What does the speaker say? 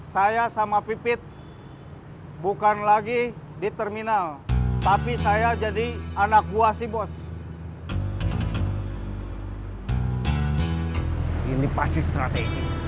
saya sama pipit bukan lagi di terminal tapi saya jadi anak buah si bos ini pasti strategi